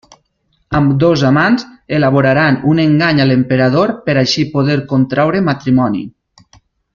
Ambdós amants elaboraran un engany a l'emperador per així poder contraure matrimoni.